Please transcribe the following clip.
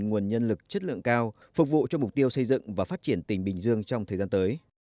nguồn nhân lực chất lượng cao phục vụ cho mục tiêu xây dựng và phát triển tỉnh bình dương trong thời gian tới